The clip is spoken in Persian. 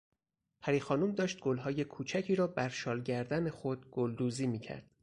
پری خانم داشت گلهای کوچکی را بر شال گردن خود گلدوزی میکرد.